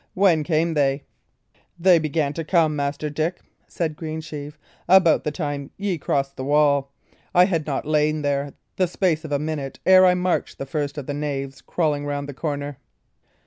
"When came they?" "They began to come, Master Dick," said Greensheve, "about the time ye crossed the wall. I had not lain there the space of a minute ere I marked the first of the knaves crawling round the corner."